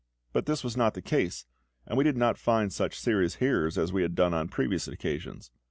But this was not the case; and we did not find such serious hearers as we had done on previous occasions.